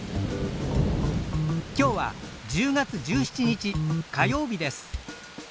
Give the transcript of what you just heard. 今日は１０月１７日火曜日です。